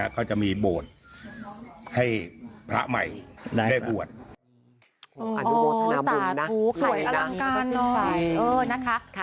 แต่พวกเราจะมาร่วมกันสร้างทำให้โบสถ์หลังนี้เสร็จนะฮะ